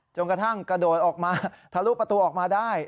จนกระทั่งกระโดดออกมาทะลุประตูออกมาได้